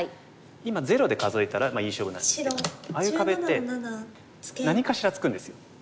今ゼロで数えたらいい勝負なんですけどああいう壁って何かしらつくんですよ。